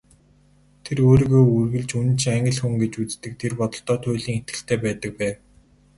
Тэр өөрийгөө үргэлж үнэнч Англи хүн гэж үздэг, тэр бодолдоо туйлын итгэлтэй байдаг байв.